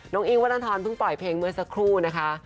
น้องอิ๊งวัตถอนเพิ่งปล่อยเพลงเมื่อสักครู่นะคะ